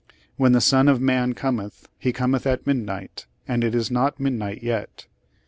When the Son of Man cometh, he cometh at midnight, and it is not midnight yet.